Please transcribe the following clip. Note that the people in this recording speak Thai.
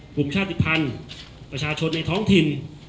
ชาติภัณฑ์ประชาชนในท้องถิ่น